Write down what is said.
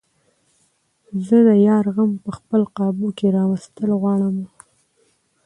زۀ د يار غم په خپل قابو کښې راوستل غواړمه